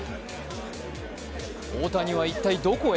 大谷は一体どこへ？